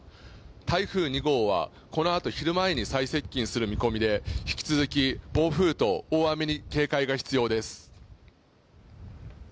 台風２号はこのあと昼前に最接近する見込みで、引き続き暴風と大雨に警戒が必要です。